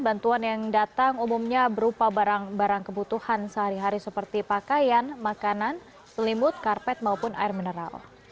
bantuan yang datang umumnya berupa barang barang kebutuhan sehari hari seperti pakaian makanan selimut karpet maupun air mineral